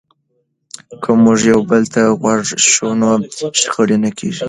که موږ یو بل ته غوږ شو نو شخړې نه کېږي.